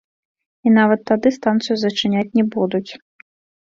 І нават тады станцыю зачыняць не будуць.